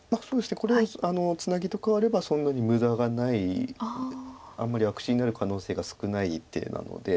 これはツナギと換わればそんなに無駄がないあんまり悪手になる可能性が少ない手なので。